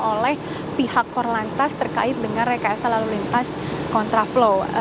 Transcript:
oleh pihak korlantas terkait dengan rekayasa lalu lintas kontraflow